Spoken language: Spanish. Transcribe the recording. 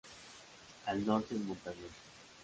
Al norte es montañoso.